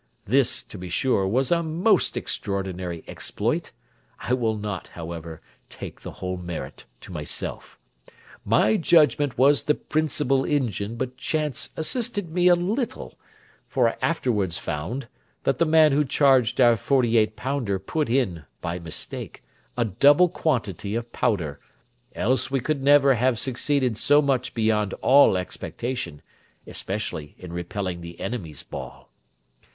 This, to be sure, was a most extraordinary exploit; I will not, however, take the whole merit to myself; my judgment was the principal engine, but chance assisted me a little; for I afterwards found, that the man who charged our forty eight pounder put in, by mistake, a double quantity of powder, else we could never have succeeded so much beyond all expectation, especially in repelling the enemy's ball.